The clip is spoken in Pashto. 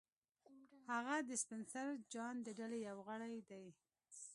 هغه د سپنسر جان د ډلې یو غړی دی